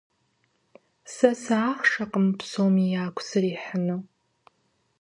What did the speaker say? Сэ сыахъшэкъым псоми ягу срихьыну.